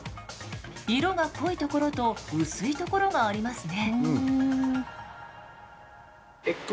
色が濃いところと薄いところがありますね。